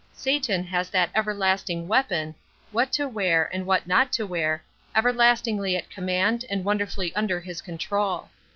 Satan has that everlasting weapon, "What to wear, and what not to wear," everlastingly at command and wonderfully under his control.